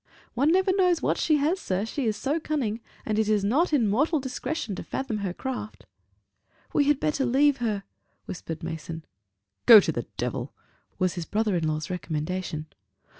"One never knows what she has, sir, she is so cunning; it is not in mortal discretion to fathom her craft." "We had better leave her," whispered Mason. "Go to the devil!" was his brother in law's recommendation.